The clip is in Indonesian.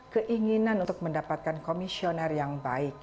keinginan untuk mendapatkan komisioner yang baik